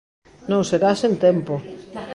Non será sen tempo.